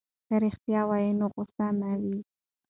که رښتیا وي نو غصه نه وي.